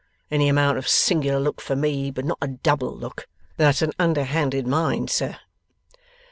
Any amount of singular look for me, but not a double look! That's an under handed mind, sir.